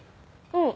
うん。